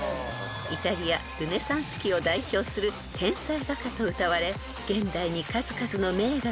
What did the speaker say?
［イタリアルネサンス期を代表する天才画家とうたわれ現代に数々の名画が残されています］